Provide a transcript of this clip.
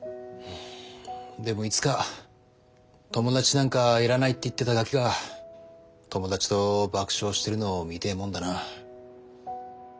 でもいつか「友達なんかいらない」って言ってたガキが友達と爆笑してるのを見てえもんだな。